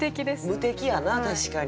無敵やな確かに。